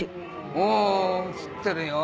おお映ってるよ。